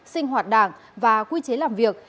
sinh hoạt đảng và quy chế làm việc